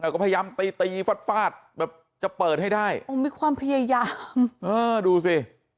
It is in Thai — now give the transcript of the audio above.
ก็พยายามตีฟาดแบบจะเปิดให้ได้มีความพยายามดูสิ